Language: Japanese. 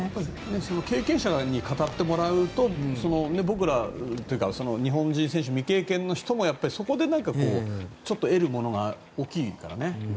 経験者に語ってもらうと僕らというか日本人選手で未経験の人もそこで得るものが大きいからね。